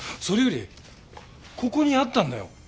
それよりここにあったんだよ。